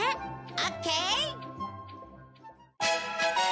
オッケー！